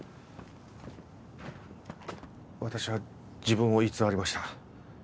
私は自分を偽りました。